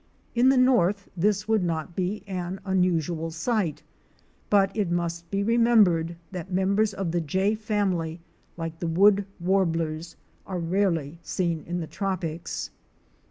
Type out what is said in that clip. In the north this would not be an unusual sight, but it must be remembered that members of the Jay family, like the Wood Warblers, are rarely seen in the tropics.